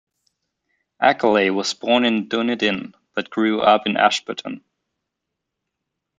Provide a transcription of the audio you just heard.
Ackerley was born in Dunedin but grew up in Ashburton.